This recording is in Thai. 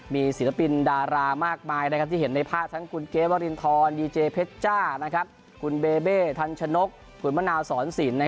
มีศิลปินดารามากมายที่เห็นในภาพทั้งคุณเกฟวรินทรดีเจเพชรจ้าคุณเบเบทันชนกคุณมะนาวสอนสิน